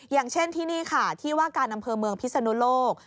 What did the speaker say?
อย่างเช่นที่นี่ค่ะที่ว่าการอำเภอเมืองพิศนุโลก